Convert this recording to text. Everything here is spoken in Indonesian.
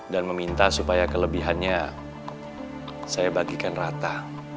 dan meminta supaya kelebihannya saya bagikan rata